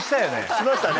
しましたね。